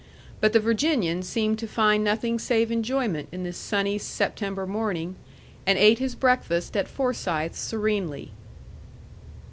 But the Virginian seemed to find nothing save enjoyment in this sunny September morning, and ate his breakfast at Forsythe serenely.